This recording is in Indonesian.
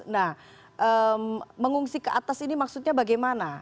nah mengungsi ke atas ini maksudnya bagaimana